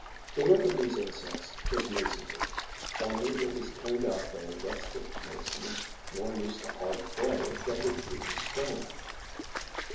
The work of these insects is masonry; only it is turned out by a rustic mason more used to hard clay than to hewn stone.